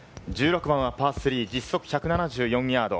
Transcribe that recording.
１６番はパー３、実測１７４ヤード。